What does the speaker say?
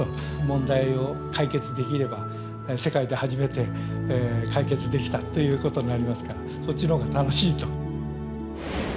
問題を解決できれば世界で初めて解決できたということになりますからそっちの方が楽しいと。